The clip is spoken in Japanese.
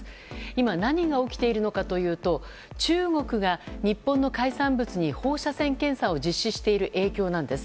今、何が起きているのかというと中国が、日本の海産物に放射線検査を実施している影響なんです。